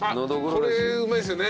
あっこれうまいですよね。